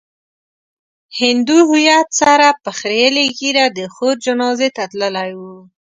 هندو هويت سره په خريلې ږيره د خور جنازې ته تللی و.